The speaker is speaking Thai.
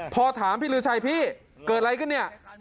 พอถามพี่ลือชัยพี่เกิดอะไรขึ้นเนี่ย